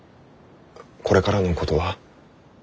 これからのことは？